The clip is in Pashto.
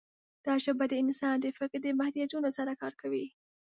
دا ژبه د انسان د فکر د محدودیتونو سره کار کوي.